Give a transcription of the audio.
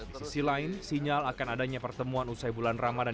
di sisi lain sinyal akan adanya pertemuan usai bulan ramadan